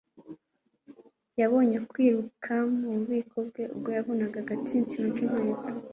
Yabonye kwiruka mububiko bwe ubwo yavunaga agatsinsino k'inkweto.